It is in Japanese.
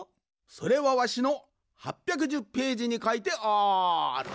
それはわしの８１０ページにかいてある。